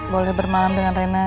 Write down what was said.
boleh bermalam dengan rena